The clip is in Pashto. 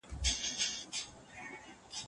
دا عمل د انسانيت په وړاندې ستر جرم دی.